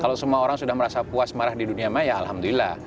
kalau semua orang sudah merasa puas marah di dunia maya alhamdulillah